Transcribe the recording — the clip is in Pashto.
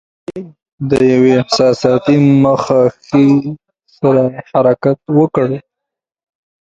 دوی د یوې احساساتي مخه ښې سره حرکت وکړ.